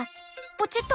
ポチッと。